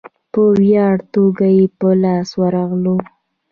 په وړیا توګه یې په لاس ورغلی وو.